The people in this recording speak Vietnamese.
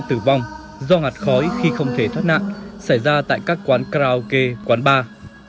tử vong do ngạt khói khi không thể thoát nạn xảy ra tại các quán karaoke quán bar